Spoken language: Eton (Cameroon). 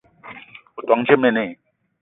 O ton dje mene?